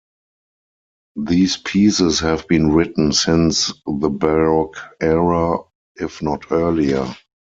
These pieces have been written since the Baroque era if not earlier.